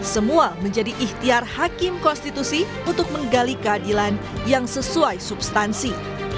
semua menjadi ikhtiar hakim konstitusi untuk menggali keadilan yang sesuai substansi